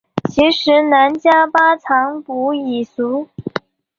其时喃迦巴藏卜已卒。